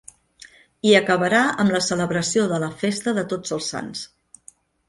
I acabarà amb la celebració de la festa de Tots els Sants.